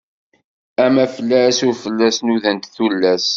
Amaflas ur fell-as nudant tullas.